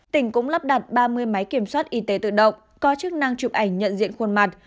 tỉnh cũng lắp đặt ba mươi máy kiểm soát y tế tự động có chức năng chụp ảnh nhận diện khuôn mặt